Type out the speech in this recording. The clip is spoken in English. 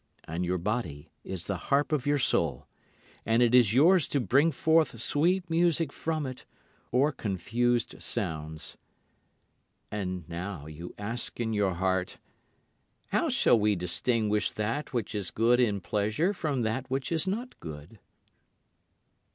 And your body is the harp of your soul, And it is yours to bring forth sweet music from it or confused sounds. And now you ask in your heart, "How shall we distinguish that which is good in pleasure from that which is not good?"